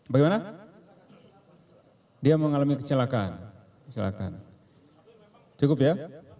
bagaimana dia mengalami kecelakaan silakan cukup ya